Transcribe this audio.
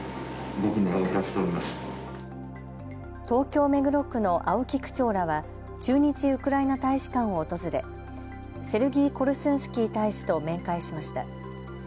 東京目黒区の青木区長らは駐日ウクライナ大使館を訪れセルギー・コルスンスキー大使と面会しました。